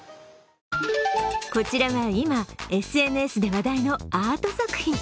こちらは今、ＳＮＳで話題のアート作品。